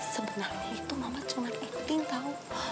sebenarnya itu mama cuma ingin tahu